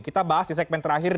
kita bahas di segmen terakhir